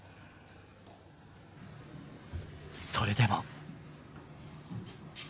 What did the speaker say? それでも。